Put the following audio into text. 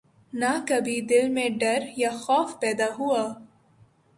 نہ کبھی دل میں ڈر یا خوف پیدا ہوا